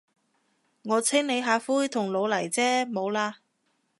我清理下灰同老泥啫，冇喇。